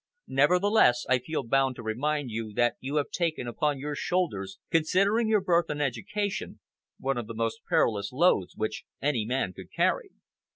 Nevertheless, I feel bound to remind you that you have taken upon your shoulders, considering your birth and education, one of the most perilous loads which any man could carry."